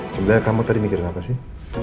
sebenernya kamu tadi mikirin apa sih